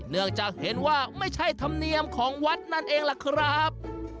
เนื่องจากเห็นว่าไม่ใช่ธรรมเนียมของวัดนั่นเองล่ะครับ